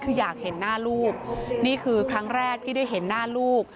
คืออยากเห็นหน้าลูกนี่คือครั้งแรกที่ได้เห็นหน้าลูก